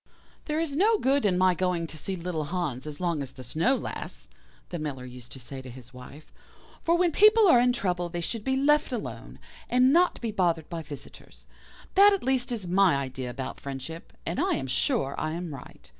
"'There is no good in my going to see little Hans as long as the snow lasts,' the Miller used to say to his wife, 'for when people are in trouble they should be left alone, and not be bothered by visitors. That at least is my idea about friendship, and I am sure I am right.